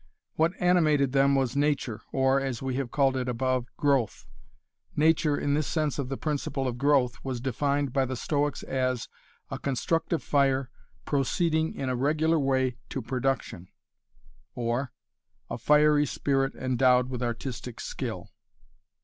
What animated them was 'nature' or, as we have called it above, 'growth'. Nature, in this sense of the principle of growth, was defined by the Stoics as 'a constructive fire, proceeding in a regular way to production,' or 'a fiery spirit endowed with artistic skill'.